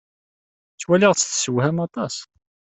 Ttwaliɣ-tt tessewham aṭas.